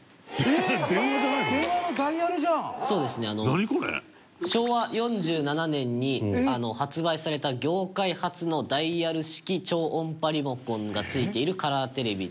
隆貴君：昭和４７年に発売された業界初のダイヤル式超音波リモコンが付いているカラーテレビ。